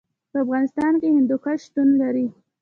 په افغانستان کې هندوکش شتون لري.